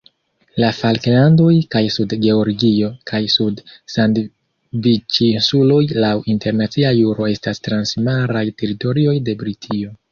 La Falklandoj kaj Sud-Georgio kaj Sud-Sandviĉinsuloj laŭ internacia juro estas transmaraj teritorioj de Britio.